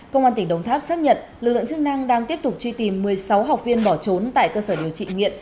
công an tỉnh đồng tháp xác nhận lực lượng chức năng đang tiếp tục truy tìm một mươi sáu học viên bỏ trốn tại cơ sở điều trị nghiện